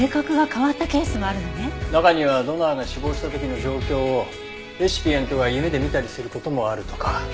中にはドナーが死亡した時の状況をレシピエントが夢で見たりする事もあるとか。